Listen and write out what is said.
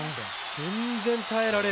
全然耐えられる。